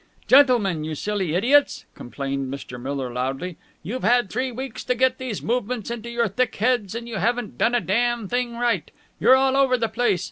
"Gentlemen, you silly idiots," complained Mr. Miller loudly, "you've had three weeks to get these movements into your thick heads, and you haven't done a damn thing right! You're all over the place!